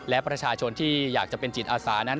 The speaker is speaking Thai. และประชาชนที่อยากจะเป็นจิตอาสานั้น